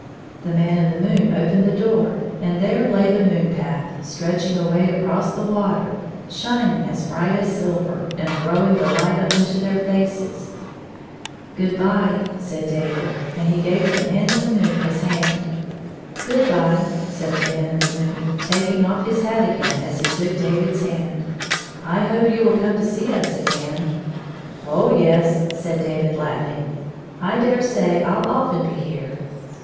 The Man in the moon opened the door, and there lay the moon path stretching away across the water, shining as bright as silver, and throwing the light up into their faces. " Good by," said David, and he gave the Man in the moon his hand. " Good by," said the Man in the moon, taking off his hat again as he took David^s hand, " I hope you will come to see us again." " Oh, yes," said David, laughing, " I dare say I '11 often be here."